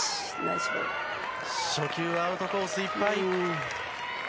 初球はアウトコースいっぱい。